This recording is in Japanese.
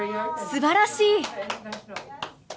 すばらしい。